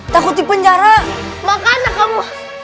takut di penjara makanan kamu